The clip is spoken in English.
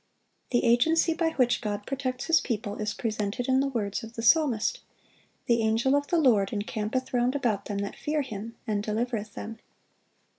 (905) The agency by which God protects His people is presented in the words of the psalmist, "The angel of the Lord encampeth round about them that fear Him, and delivereth them."